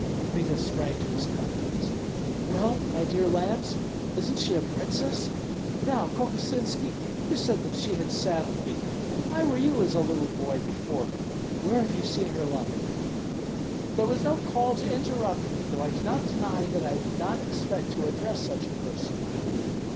Kmita sprang to his comrades. "Well, my dear lambs, isn't she a princess? Now, Kokosinski, you said that she had saddled me, and why were you as a little boy before her? Where have you seen her like?" "There was no call to interrupt me; though I do not deny that I did not expect to address such a person."